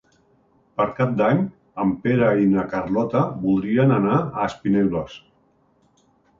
Per Cap d'Any en Pere i na Carlota voldrien anar a Espinelves.